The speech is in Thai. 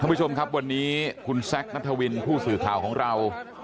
ผู้ชมครับวันนี้คุณแซคนัทวินผู้สื่อข่าวของเรา